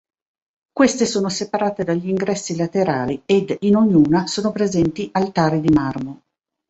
Queste sono separate dagli ingressi laterali ed in ognuna sono presenti altari di marmo.